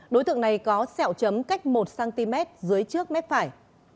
đối tượng này có sẹo chấm cách một cm dưới trước mép phải